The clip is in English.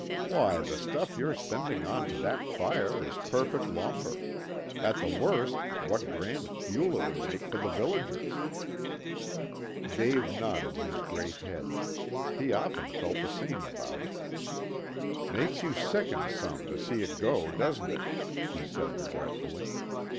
"Why, the stuff you're sending on to that fire is perfect lumber. At the worst, what grand fuel it would make for the villagers." Dave nodded his great head. He often felt the same about it. "Makes you sicken some to see it go, doesn't it?" he said regretfully.